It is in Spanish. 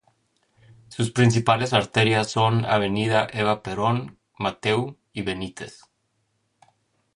Sus principales arterias son: Avda. Eva Perón, Matheu y Benitez.